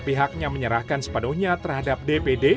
pihaknya menyerahkan sepenuhnya terhadap dpd